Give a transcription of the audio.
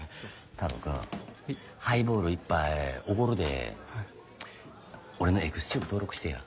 太郎くんハイボール１杯おごるで俺のＥｘＴｕｂｅ登録してや。